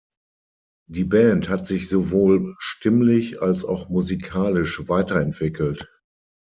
Die Band hat sich sowohl stimmlich als auch musikalisch weiterentwickelt.